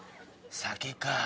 酒か。